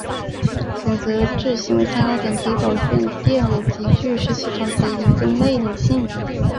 选择质心为参考点可以保证电偶极矩是系统的一个内禀性质。